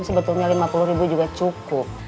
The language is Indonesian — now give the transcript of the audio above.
sebetulnya lima puluh ribu juga cukup